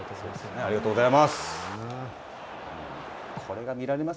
ありがとうございます。